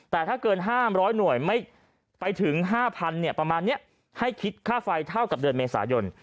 แต่ถ้าเกิน๕๐๐หน่วยไม่ไปถึง๕๐๐ประมาณนี้ให้คิดค่าไฟเท่ากับเดือนเมษายน